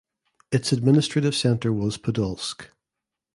Its administrative centre was Podolsk.